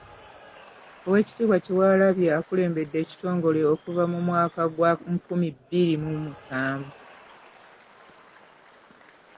Oweekitiibwa Kyewalabye akulembedde ekitongole okuva mu mwaka gwa nkumi bbiri mu musanvu.